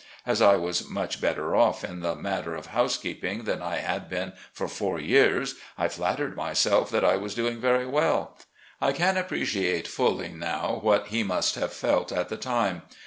As I was much better off in the matter of housekeeping than I had been for four years, I fiattered myself that I was doing very well. I can appreciate fully now what he must have felt at the time.